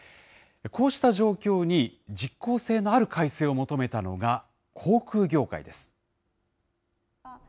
こうした状況に実効性のある改正を求めたのが、航空業界です。